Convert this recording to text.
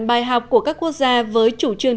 bài học của các quốc gia với chủ trương